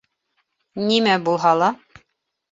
Нимә булһа ла